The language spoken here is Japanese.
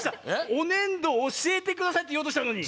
「おねんどおしえてください」っていおうとしたのに。